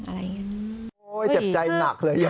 โอ้ยเจ็บใจหนักเลย